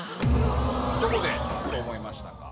どこでそう思いましたか？